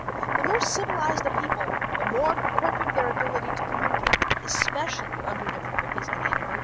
The more civilized a people, the more perfect their ability to communicate, especially under difficulties and in emergencies."